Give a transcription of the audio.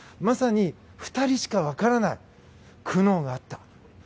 まさに２人しか分からない苦悩があった。